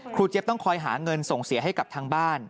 เจี๊ยบต้องคอยหาเงินส่งเสียให้กับทางบ้าน